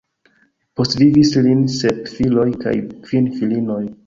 Postvivis lin sep filoj kaj kvin filinoj.